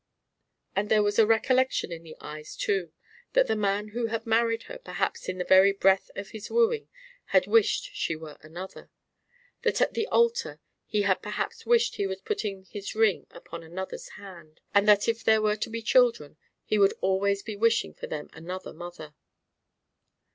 And there was recollection in the eyes too: that the man who had married her perhaps in the very breath of his wooing had wished she were another; that at the altar he had perhaps wished he were putting his ring upon another's hand; and that if there were to be children, he would always be wishing for them another mother.